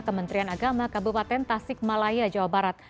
kementerian agama kabupaten tasik malaya jawa barat